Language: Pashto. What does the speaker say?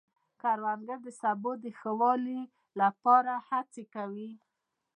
کروندګر د سبو د ښه والي لپاره هڅې کوي